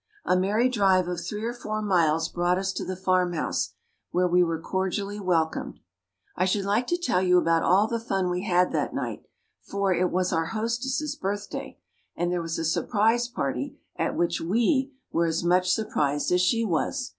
A merry drive of three or four miles brought us to the farm house, where we were cordially welcomed. I should like to tell you about all the fun we had that night, for it was our hostess' birthday, and there was a surprise party, at which we were as much surprised as she was.